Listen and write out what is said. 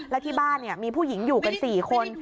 แล้วที่บ้านมีผู้หญิงอยู่กัน๔คน